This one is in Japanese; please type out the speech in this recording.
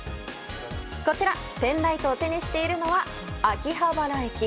ペンライトを手にしているのは秋葉原駅。